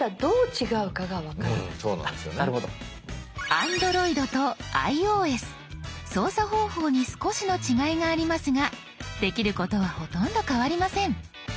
ＡｎｄｒｏｉｄとｉＯＳ操作方法に少しの違いがありますができることはほとんど変わりません。